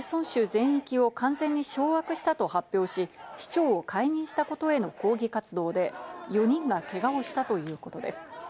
全域を完全に掌握したと発表し、市長を解任したことへの抗議活動で４人がけがをしたということです。